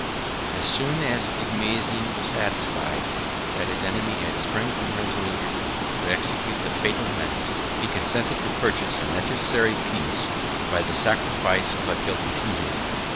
12211 As soon as Igmazen was satisfied, that his enemy had strength and resolution to execute the fatal menace, he consented to purchase a necessary peace by the sacrifice of a guilty fugitive.